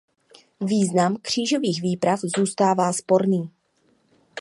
Význam křížových výprav zůstává sporný.